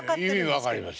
意味分かります。